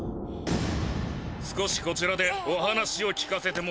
少しこちらでお話を聞かせてもらおう。